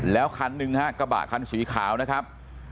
แล้วคันหนึ่งฮะกระบะคันสีขาวนะครับ